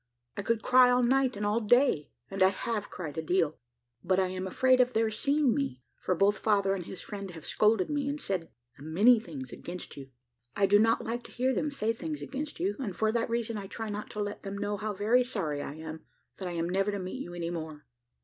I could cry all night and all day, and I have cried a deal, but I am afraid of their seeing me, for both father and his friend have scolded me, and said a many things against you. I do not like to hear them say things against you; and for that reason I try not to let them know how very sorry I am that I am never to meet you any more.